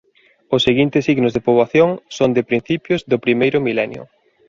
Os seguintes signos de poboación son de principios do primeiro milenio.